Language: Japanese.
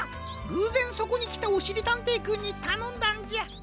ぐうぜんそこにきたおしりたんていくんにたのんだんじゃ。